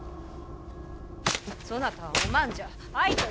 そなたは、お万じゃ。